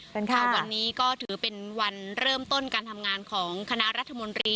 วันนี้ก็ถือเป็นวันเริ่มต้นการทำงานของคณะรัฐมนตรี